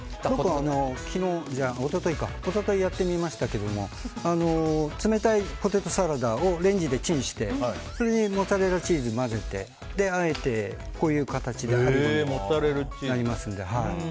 一昨日やってみましたけども冷たいポテトサラダをレンジでチンしてそれにモッツァレラチーズを混ぜてあえるとこういう形になりますので。